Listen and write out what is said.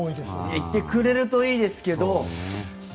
行ってくれるといいですけど。